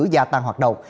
gia tăng hoạt động